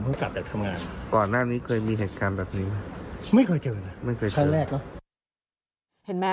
เห็นไหม